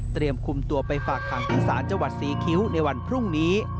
เตรียมคุมตัวไปฝากทางอินสารจังหวัดศรีคิ้วในวันพรุ่งนี้